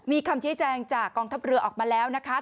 มีคำชี้แจงจากกองทัพเรือออกมาแล้วนะคะ